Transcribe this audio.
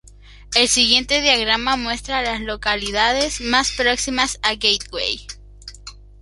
El siguiente diagrama muestra a las localidades más próximas a Gateway.